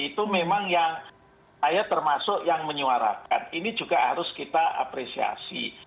itu memang yang saya termasuk yang menyuarakan ini juga harus kita apresiasi